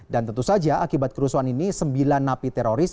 dan tentu saja akibat kerusuhan ini sembilan napi teroris